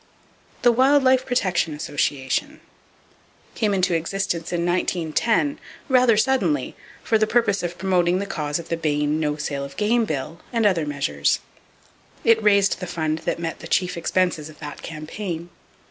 The Wild Life Protective Association came into existence in 1910, rather suddenly, for the purpose of promoting the cause of the Bayne no sale of game bill, and other measures. It raised the fund that met the chief expenses of that campaign.